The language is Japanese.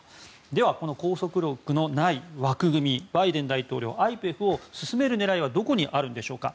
では、この拘束力のない枠組みバイデン大統領ＩＰＥＦを進める狙いはどこにあるんでしょうか。